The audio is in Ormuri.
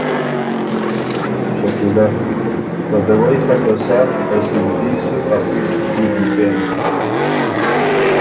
شکیلۀ ـــ ”په دوَئ خه که سۀ په سجدي سُو ا پِټ کُوتی کېم“